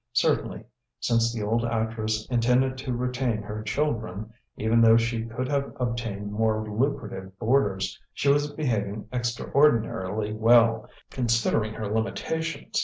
Certainly, since the old actress intended to retain her children even though she could have obtained more lucrative boarders, she was behaving extraordinarily well, considering her limitations.